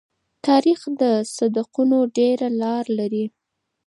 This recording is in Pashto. تاریخ د صدقونو ډېره لار لري.